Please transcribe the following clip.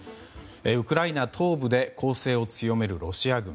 ウクライナ東部で攻勢を強めるロシア軍。